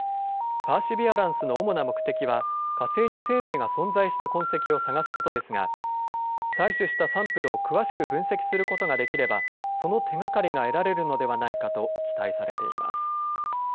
パーシビアランスの主な目的は、火星に生命が存在した痕跡を探すことですが、採取したサンプルを詳しく分析することができれば、その手がかりが得られるのではないかと期待されています。